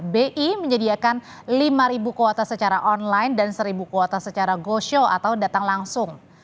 bi menyediakan lima kuota secara online dan seribu kuota secara go show atau datang langsung